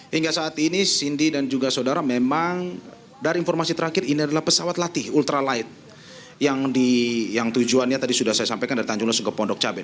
hingga saat ini cindy dan juga saudara memang dari informasi terakhir ini adalah pesawat latih ultralight yang tujuannya tadi sudah saya sampaikan dari tanjung lesung ke pondok cabe